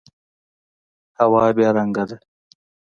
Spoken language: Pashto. هوا بې رنګه ده.